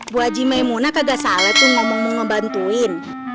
bu haji maimunah kagak salah tuh ngomong mau ngebantuin